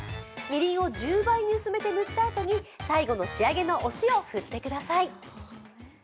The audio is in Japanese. みりんを１０倍に薄めて塗ったあとに最後の仕上げのお塩振ってください。